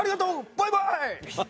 バイバーイ！